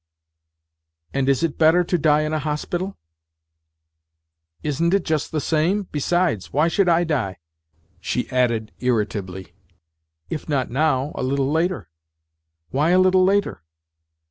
" And is it better to die in a hospital ?"" Isn't it just the same ? Besides, why should I die ?" she added irritably. " If not now, a little later." " Why a little later